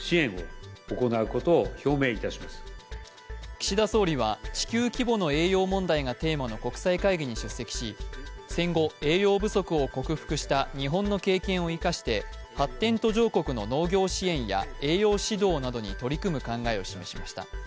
岸田総理は地球規模の栄養問題がテーマの国際会議に出席し戦後、栄養不足を克服した日本の経験を生かして発展途上国の農業支援や栄養指導などに取り組む考えを示しました。